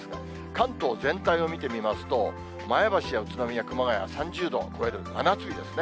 関東全体を見てみますと、前橋や宇都宮、熊谷、３０度を超える真夏日ですね。